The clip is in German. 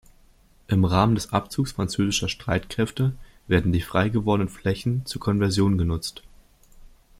Im Rahmen des Abzugs französischer Streitkräfte werden die frei gewordenen Flächen zur Konversion genutzt.